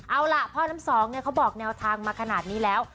เอาล่ะพ่อน้ำสองเนี่ยเขาบอกแนวทางมาขนาดนี้แล้ว